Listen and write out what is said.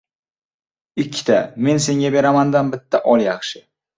• Ikkita “men senga beraman”dan, bitta “ol” yaxshi.